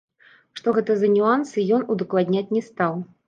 Што гэта за нюансы, ён удакладняць не стаў.